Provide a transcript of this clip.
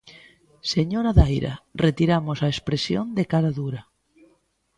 Señora Daira, retiramos a expresión de cara dura.